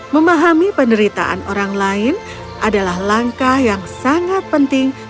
memahami penderitaan orang lain adalah langkah yang sangat penting